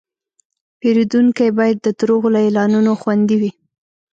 پیرودونکی باید د دروغو له اعلانونو خوندي وي.